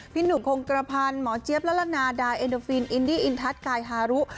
หนุ่มคงกระพันธ์หมอเจี๊ยบละละนาดาเอ็นเตอร์ฟินอินดี้อินทัศน์กายฮารุ